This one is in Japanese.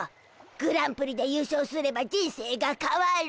グランプリで優勝すれば人生がかわる。